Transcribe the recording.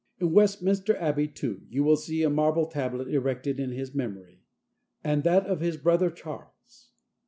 In Westminster Abbey, too, you will see a marble tablet erected to his memory, and that of his brother Charles.